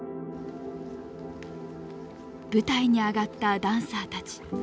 舞台に上がったダンサーたち。